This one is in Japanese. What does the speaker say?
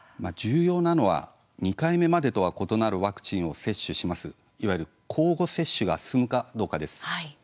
重要なのは２回目までとは異なるワクチンを接種する、いわゆる交互接種が進むかどうかです。